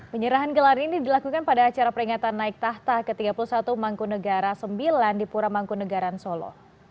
penyerahan gelar ini dilakukan pada acara peringatan naik tahta ke tiga puluh satu mangkunegara sembilan di pura mangkunegaran solo